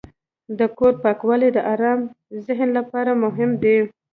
د کور پاکوالی د آرام ذهن لپاره مهم دی.